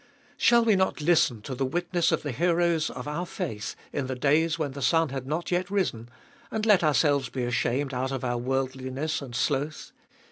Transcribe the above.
Shall we not listen to the witness of the heroes of our faith in the days when the sun had not yet risen, and let ourselves be ashamed out of our worldliness and sloth?